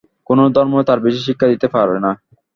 কোন ধর্মই তার বেশী শিক্ষা দিতে পারে না।